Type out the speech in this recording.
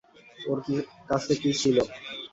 ওর কাছে কী ছিল?